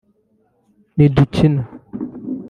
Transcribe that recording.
ntidukina